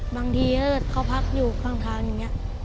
บางทีถ้าเขาพักอยู่ข้างทาง